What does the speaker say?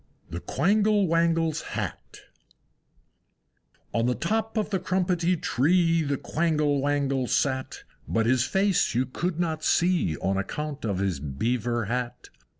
THE QUANGLE WANGLE'S HAT. I. On the top of the Crumpetty Tree The Quangle Wangle sat, But his face you could not see, On account of his Beaver Hat.